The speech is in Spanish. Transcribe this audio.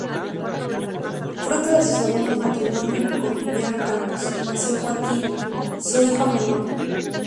Fruto de su segundo matrimonio con Viviana Campos nació Joaquín, su hijo menor.